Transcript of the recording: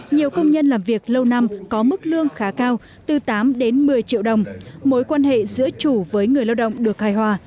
nhiều công nhân làm việc lâu năm có mức lương khá cao từ tám đến một mươi triệu đồng mối quan hệ giữa chủ với người lao động được hài hòa